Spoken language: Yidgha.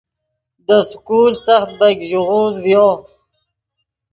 دے سکول سخت بیګ ژیغوز ڤیو